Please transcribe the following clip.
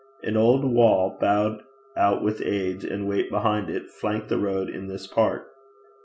An old wall, bowed out with age and the weight behind it, flanked the road in this part.